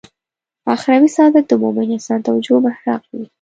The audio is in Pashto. اخروي سعادت د مومن انسان توجه محراق وي.